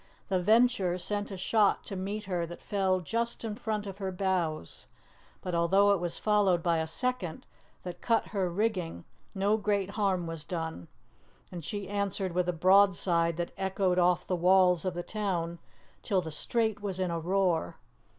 The Venture sent a shot to meet her that fell just in front of her bows, but although it was followed by a second, that cut her rigging, no great harm was done, and she answered with a broadside that echoed off the walls of the town till the strait was in a roar.